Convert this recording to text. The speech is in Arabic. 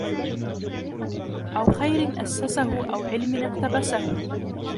أَوْ خَيْرٍ أَسَّسَهُ أَوْ عِلْمٍ اقْتَبَسَهُ